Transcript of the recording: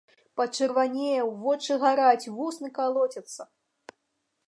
Пачырванеў, вочы гараць, вусны калоцяцца.